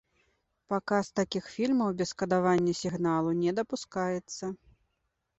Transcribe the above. Паказ такіх фільмаў без кадавання сігналу не дапускаецца.